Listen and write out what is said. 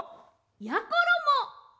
やころも。